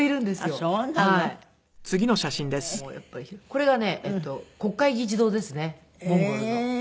これがね国会議事堂ですねモンゴルの。